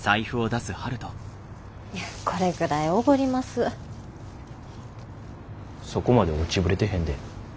そこまで落ちぶれてへんで。